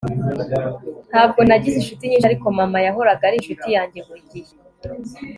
ntabwo nagize inshuti nyinshi ariko mama yahoraga ari inshuti yanjye buri gihe